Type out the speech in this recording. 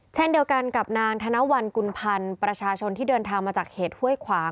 เช่นเดียวกันกับนางธนวัลกุลพันธ์ประชาชนที่เดินทางมาจากเหตุห้วยขวาง